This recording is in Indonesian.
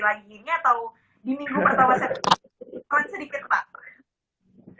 lagi ini atau di minggu pertama